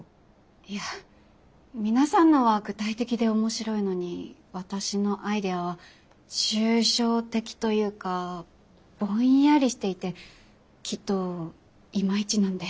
いや皆さんのは具体的で面白いのに私のアイデアは抽象的というかぼんやりしていてきっとイマイチなんで。